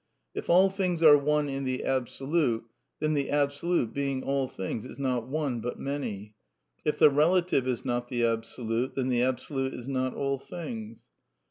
If all things are one in the Absolute, then the Absolute, being all things, is not one but many. If the relative is not the Absolute, then the Absolute is not all things.